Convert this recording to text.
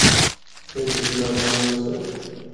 اے جھیل ناران بچ اے۔